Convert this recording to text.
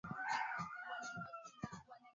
Damu huwa nyepesi na majimaji